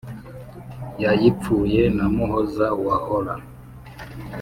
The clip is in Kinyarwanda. Yayipfuye na Muhozi wa hora